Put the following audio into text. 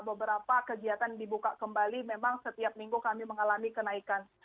beberapa kegiatan dibuka kembali memang setiap minggu kami mengalami kenaikan